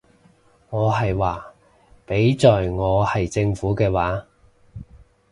我係話，畀在我係政府嘅話